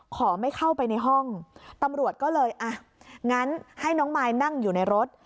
ขอไม่เข้าไปในห้องตำรวจก็เลยอ่ะงั้นให้น้องมายนั่งอยู่ในรถ